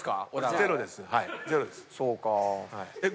ゼロです。